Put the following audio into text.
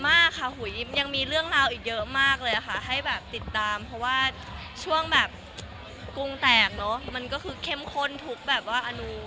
มากค่ะยังมีเรื่องราวอีกเยอะมากเลยค่ะให้แบบติดตามเพราะว่าช่วงแบบกุ้งแตกเนอะมันก็คือเข้มข้นทุกแบบว่าอนุ